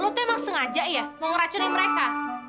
lo tuh emang sengaja ya mau ngeracunin mereka